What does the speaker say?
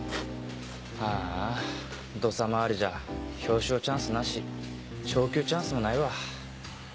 ああドサ回りじゃ表彰チャンスなし昇給チャンスもないわ。